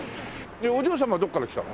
お嬢様はどこから来たの？